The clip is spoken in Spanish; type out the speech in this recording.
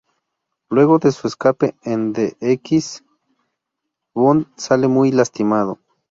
Luego de su escape en de esquís, Bond sale muy lastimado.